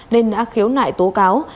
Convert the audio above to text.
nên đã khiếu nại tố cáo